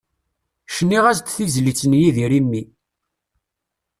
Cniɣ-as-d tizlit n Yidir i mmi.